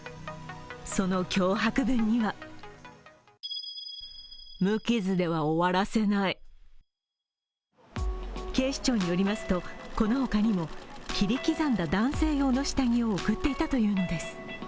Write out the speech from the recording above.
その脅迫文には警視庁によりますと、この他にも切り刻んだ男性用の下着を送っていたというのです。